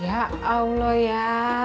ya allah ya